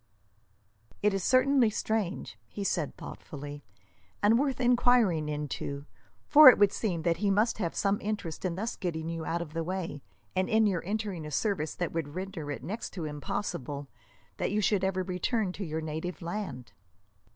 "It is certainly strange," he said thoughtfully, "and worth enquiring into, for it would seem that he must have some interest in thus getting you out of the way, and in your entering a service that would render it next to impossible that you should ever return to your native land."